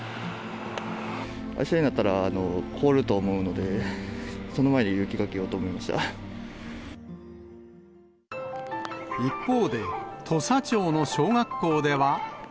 あしたになったら凍ると思うので、一方で、土佐町の小学校では。